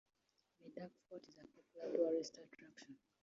Medak Fort is a popular tourist attraction.